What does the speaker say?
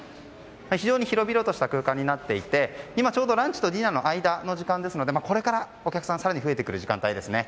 非常に広々とした空間になっていて今ちょうどランチとディナーの間の時間ですのでこれから、お客さんが更に増えてくる時間帯ですね。